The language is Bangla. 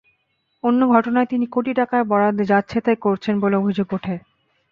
অন্য ঘটনায় তিনি কোটি টাকার বরাদ্দে যাচ্ছেতাই করেছেন বলে অভিযোগ ওঠে।